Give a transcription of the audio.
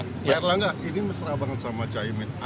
pak erlangga ini mesra banget sama cah imin